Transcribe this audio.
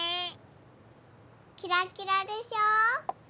キラキラでしょ？